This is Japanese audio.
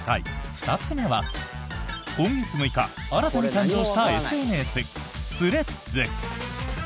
２つ目は今月６日、新たに誕生したＳＮＳスレッズ。